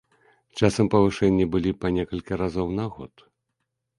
Часам павышэнні былі па некалькі разоў на год.